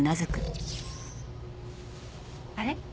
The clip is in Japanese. あれ？